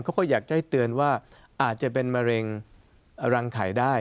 เขาก็อยากจะให้เตือนว่าอาจจะเป็นมะเร็งรังไข่ได้